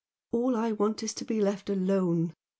All I want is to be left alone.